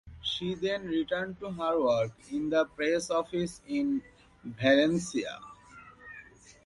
She then returned to her work in the Press Office in Valencia.